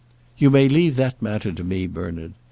"You may leave that matter to me, Bernard.